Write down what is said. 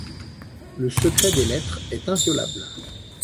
Le secret des lettres est inviolable.